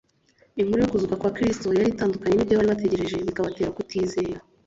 Inkuru yo kuzuka kwa Kristo yari itandukanye n'ibyo bari bategereje bikabatera kutizera.